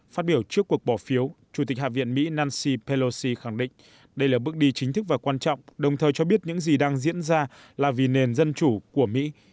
phát biểu trước cuộc bỏ phiếu chủ tịch hạ viện mỹ nancy pelosi khẳng định đây là bước đi chính thức và quan trọng đồng thời cho biết những gì đang diễn ra là vì nền dân chủ của mỹ